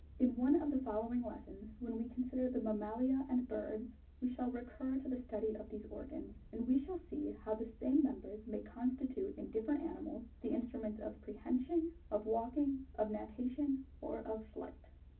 In one of the following lessons, when we consider the mam malia and birds, we shall recur to the study of these organs, and we shall see how the same members may constitute in different animals, the instruments of prehension, of walking, of natation, or of flight.